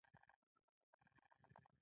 هغه د انصاف پریکړې کولې.